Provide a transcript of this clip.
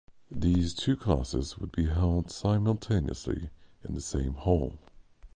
These two classes would be held simultaneously in the same hall.